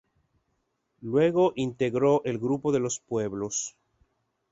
Luego integró el grupo De los Pueblos.